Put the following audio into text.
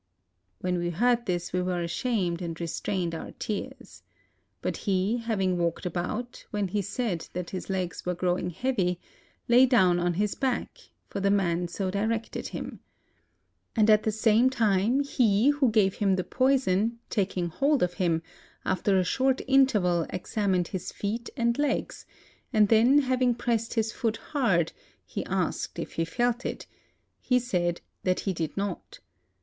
When we heard this, we were ashamed, and restrained our tears. But he, having walked about, when he said that his legs were growing heavy, lay down on his back; for the man so directed him. And at the same time he who gave him the poison, taking hold of him, after a short interval examined his feet and legs; and then hav ing pressed his foot hard, he asked if he felt it: he said that he did not.